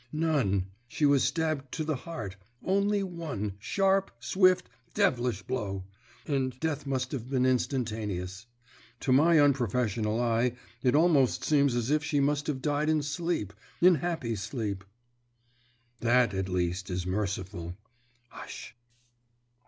"None. She was stabbed to the heart only one, sharp, swift, devilish blow, and death must have been instantaneous. To my unprofessional eye it almost seems as if she must have died in sleep in happy sleep." "That, at least, is merciful. Hush!"